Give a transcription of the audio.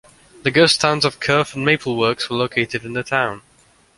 The ghost towns of Kurth and Maple Works were located in the town.